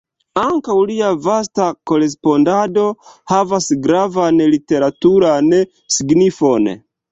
Ankaŭ lia vasta korespondado havas gravan literaturan signifon.